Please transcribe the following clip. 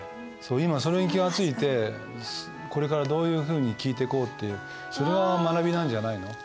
今それに気が付いてこれからどういうふうに聞いてこうってそれが学びなんじゃないの？